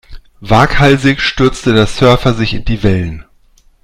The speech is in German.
Waghalsig stürzte der Surfer sich in die Wellen.